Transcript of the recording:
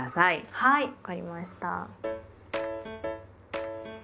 はい分かりました。